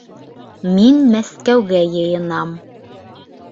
Мин Мәскәүгә йыйынам